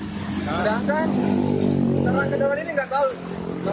ada asan karena kedalaman ini nggak tahu